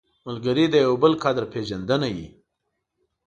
ملګری د یو بل قدر پېژندنه وي